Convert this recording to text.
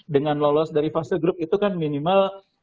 dengan lolos dari fase grup itu kan minimal